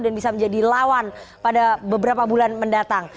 dan bisa menjadi lawan pada beberapa bulan mendatang